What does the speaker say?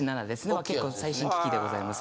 これ結構最新機器でございます。